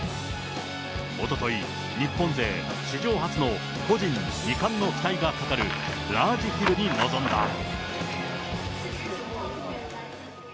おととい、日本勢史上初の個人２冠の期待がかかるラージヒルに臨んだ。